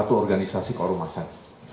satu organisasi keolahmasan